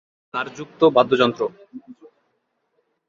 এটি তার যুক্ত বাদ্যযন্ত্র।